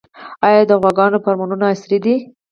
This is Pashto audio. آیا د غواګانو فارمونه عصري دي؟